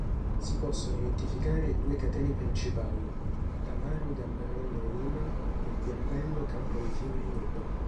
Si possono identificare due catene principali: Tamaro-Gambarogno-Lema e Piambello-Campo dei Fiori-Nudo.